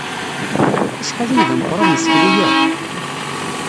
Acḥal ay d ameqran useklu-a!